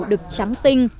được chấm tinh